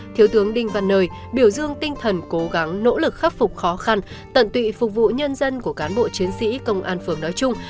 thiếu tướng đinh văn nời biểu dương tinh thần cố gắng nỗ lực khắc phục khó khăn tận tụy phục vụ nhân dân của cán bộ chiến sĩ công an phường nói chung